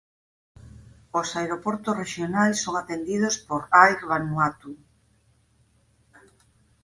Os aeroportos rexionais son atendidos por Air Vanuatu.